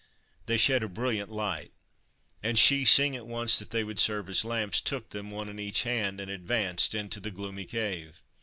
They shed a brilliant light, and she, seeing at once that they would serve as lamps, took them, one in each hand, and advanced into the gloomy cave.